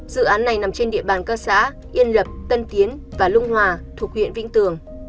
dự án này nằm trên địa bàn các xã yên lập tân tiến và lung hòa thuộc huyện vĩnh tường